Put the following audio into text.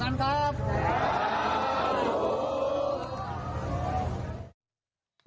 สาธุ